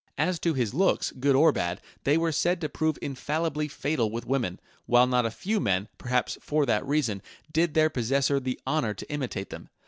As to his looks, good or bad, they were said to prove infallibly fatal with women, while not a few men, perhaps for that reason, did their possessor the honour to imitate them.